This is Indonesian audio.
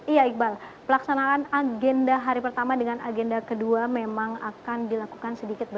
iya iqbal pelaksanaan agenda hari pertama dengan agenda kedua memang akan dilakukan sedikit